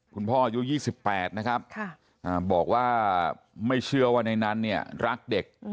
คุณพ่ออายุยี่สิบแปดนะครับบอกว่าไม่เชื่อว่าในนั้นเนี่ยรักเด็ก